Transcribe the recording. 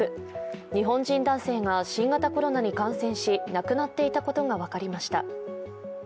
日本人男性が新型コロナに感染し亡くなっていたことが分かりました。